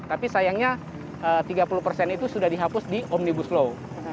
tapi sayangnya tiga puluh persen itu sudah dihapus di omnibus law